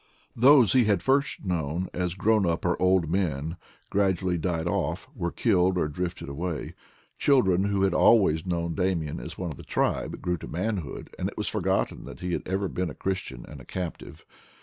Those he had first known as grown up or old men gradually died off, were killed, or drifted away; children who had always known Damian as one of the tribe grew to manhood, and it was forgotten that he had ever been a Christian and a captive.